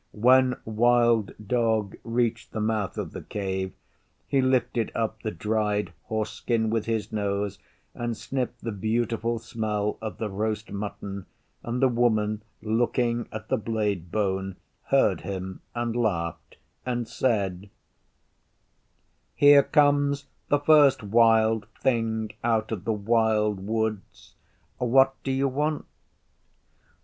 When Wild Dog reached the mouth of the Cave he lifted up the dried horse skin with his nose and sniffed the beautiful smell of the roast mutton, and the Woman, looking at the blade bone, heard him, and laughed, and said, 'Here comes the first. Wild Thing out of the Wild Woods, what do you want?